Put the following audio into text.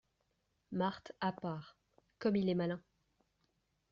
Marthe à part. — Comme il est malin !